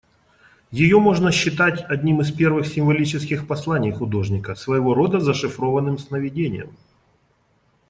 Ее можно считать одним из первых символических посланий художника, своего рода зашифрованным «сновидением».